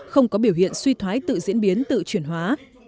không có biểu hiện suy thoái tự diễn biến tự chuyển hóa